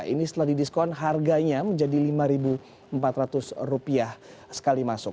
ini setelah didiskon harganya menjadi rp lima empat ratus sekali masuk